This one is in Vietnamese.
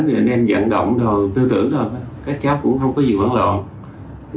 thì anh em dẫn động rồi tư tưởng rồi các cháu cũng không có gì bản loạn